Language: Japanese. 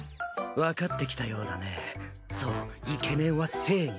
わかってきたようだねそうイケメンは正義。